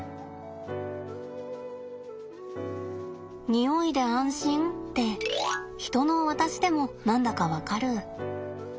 匂いで安心ってヒトの私でも何だか分かる。